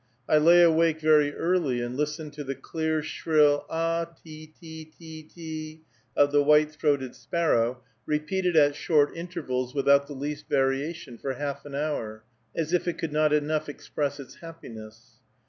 I lay awake very early, and listened to the clear, shrill ah, te te, te te, te of the white throated sparrow, repeated at short intervals, without the least variation, for half an hour, as if it could not enough express its happiness.